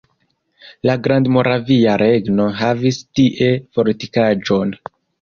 La Grandmoravia Regno havis tie fortikaĵon.